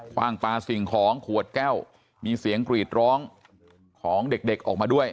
ว่างปลาสิ่งของขวดแก้วมีเสียงกรีดร้องของเด็กออกมาด้วย